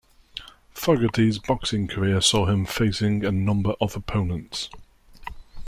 Fogerty's boxing career saw him facing a number of opponents.